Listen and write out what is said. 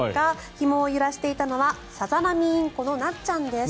ひもを揺らしていたのはサザナミインコのなっちゃんです。